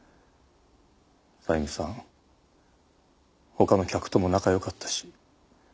他の客とも仲良かったし。